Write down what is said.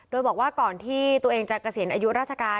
โดยบอกว่าก่อนที่ตัวเองจะเกษียณอายุราชการ